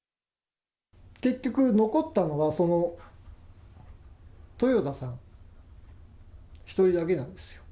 結局、残ったのは、その豊田さん１人だけなんですよ。